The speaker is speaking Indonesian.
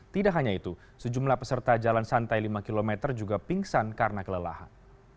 tidak hanya itu sejumlah peserta jalan santai lima km juga pingsan karena kelelahan